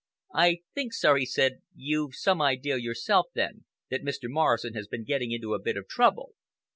"I think, sir," he said, "you've some idea yourself, then, that Mr. Morrison has been getting into a bit of trouble."